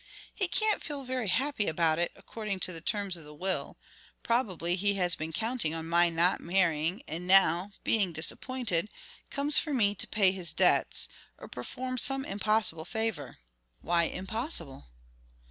"He can't feel very happy about it, according to the terms of the will; probably he has been counting on my not marrying, and now, being disappointed, comes for me to pay his debts, or perform some impossible favor." "Why impossible?"